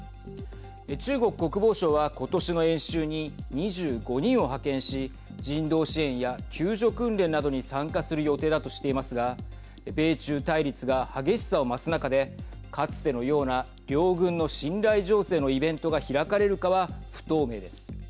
中国国防省は今年の演習に２５人を派遣し人道支援や救助訓練などに参加する予定だとしていますが米中対立が激しさを増す中でかつてのような両軍の信頼醸成のイベントが開かれるかは不透明です。